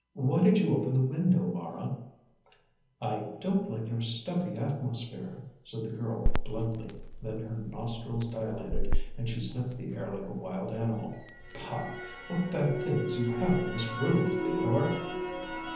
Why did you open the window, Mara?" "I don't like your stuffy atmosphere," said the girl bluntly; then her nostrils dilated, and she sniffed the air like a wild animal. "Pah! What bad things you have in this room, Theodore!"